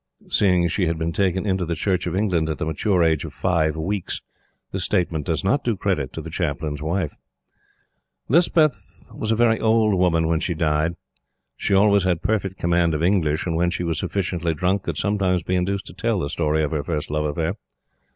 Seeing she had been taken into the Church of England at the mature age of five weeks, this statement does not do credit to the Chaplain's wife. Lispeth was a very old woman when she died. She always had a perfect command of English, and when she was sufficiently drunk, could sometimes be induced to tell the story of her first love affair.